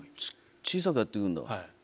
小さくやってくんだ。